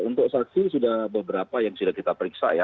untuk saksi sudah beberapa yang sudah kita periksa ya